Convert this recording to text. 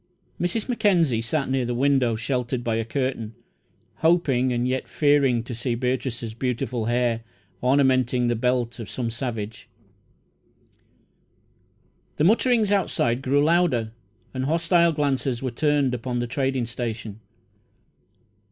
Mrs. Mackenzie sat near the window, sheltered by a curtain, hoping and yet fearing to see Beatrice's beautiful hair ornamenting the belt of some savage. The mutterings outside grew louder, and hostile glances were turned upon the trading station.